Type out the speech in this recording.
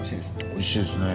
おいしいですね。